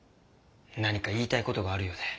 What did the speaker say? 何か言いたい事があるようで。